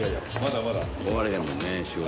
終われへんもんね仕事。